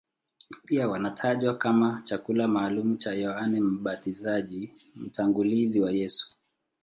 Pia wanatajwa kama chakula maalumu cha Yohane Mbatizaji, mtangulizi wa Yesu.